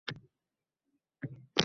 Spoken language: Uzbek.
Ikki yillik tinimsiz mehnat natijasi.